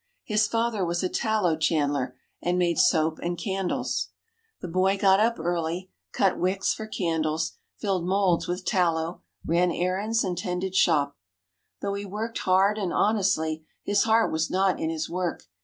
His father was a tallow chandler, and made soap and candles. The boy got up early, cut wicks for candles, filled moulds with tallow, ran errands, and tended shop. Though he worked hard and honestly, his heart was not in his work.